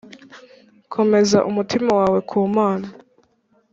komeza umutima wawe ku mana